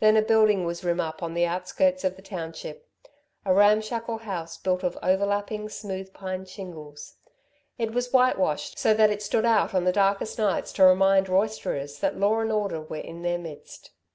Then a building was rim up on the outskirts of the township a ramshackle house built of overlapping, smooth, pine shingles. It was whitewashed, so that it stood out on the darkest nights to remind roisterers that law and order were in their midst.